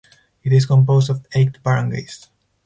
It is composed of eight barangays.